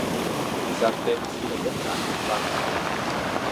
Dissabte na Cira i en Drac van a Cullera.